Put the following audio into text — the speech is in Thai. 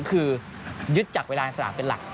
แผงจากเวลาสนามเป็นหลัก